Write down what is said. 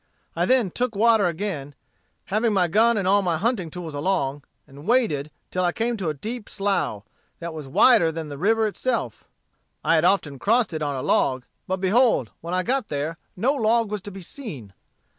I then took water again, having my gun and all my hunting tools along, and waded till I came to a deep slough, that was wider than the river itself. I had often crossed it on a log; but behold, when I got there no log was to be seen.